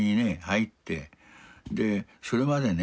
それまでね